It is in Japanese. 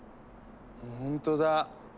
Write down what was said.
ほんとだ。